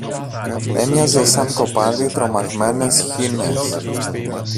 έμοιαζε σαν κοπάδι τρομαγμένες χήνες.